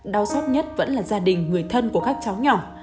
đau xót nhất vẫn là gia đình người thân của các cháu nhỏ